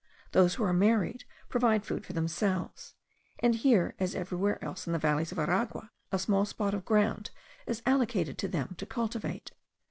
Those who are married provide food for themselves; and here, as everywhere else in the valleys of Aragua, a small spot of ground is allotted to them to cultivate.